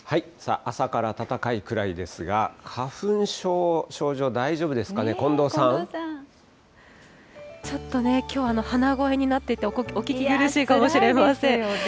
朝から暖かいくらいですが、花粉症、症状、ちょっとね、きょう、鼻声になっていてお聞き苦しいかもしれません。